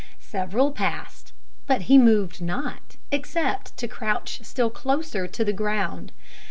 Several passed, but he moved not, except to crouch still closer to the ground.